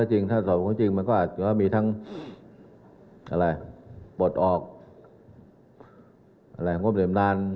ที่จะเห็นใจใจที่อยู่ของตัวเอง